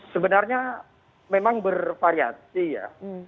sebenarnya memang bervariasi ya